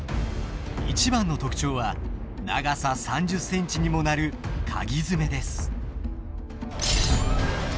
一番の特徴は長さ３０センチにもなるかぎ爪です。